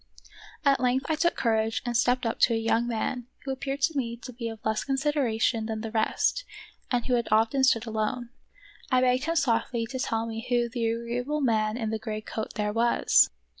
At length I took courage and stepped up to a young man who appeared to me to be of less consideration than the rest and who had often stood alone. I begged him softly to tell me who the agreeable man in the gray coat there was.